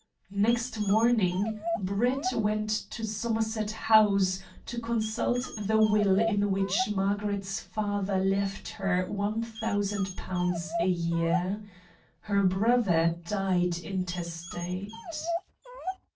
Next morning Brett went to Somerset House to consult the will in which Margaret's father left her £1,000 a year. Her brother died intestate.